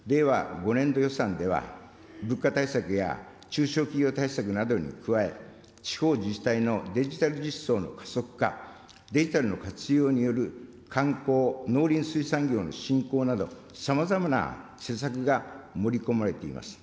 ５年度予算では、物価対策や中小企業対策などに加え、地方自治体のデジタル実装の加速化、デジタルの活用による観光・農林水産業の振興など、さまざまな施策が盛り込まれています。